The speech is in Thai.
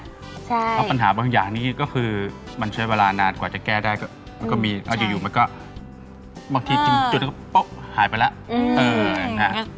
เพราะปัญหาบางอย่างนี้ก็คือมันใช้เวลานานกว่าจะแก้ได้มันก็มีแล้วอยู่มันก็บางทีถึงจุดก็ป๊อกหายไปแล้ว